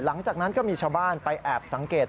หลังจากนั้นก็มีชาวบ้านไปแอบสังเกต